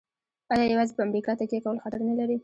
آیا یوازې په امریکا تکیه کول خطر نلري؟